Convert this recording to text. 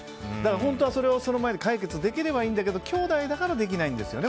本当は、その前に解決できればいいんだけどきょうだいだからできないんですよね。